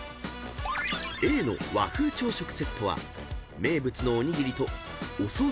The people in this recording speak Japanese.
［Ａの和風朝食セットは名物のおにぎりとお惣菜